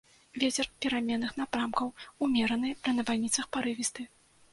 Вецер пераменных напрамкаў умераны, пры навальніцах парывісты.